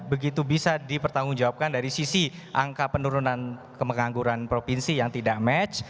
tidak begitu bisa dipertanggung jawabkan dari sisi angka penurunan kemengangguran provinsi yang tidak match